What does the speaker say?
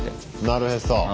なるへそ。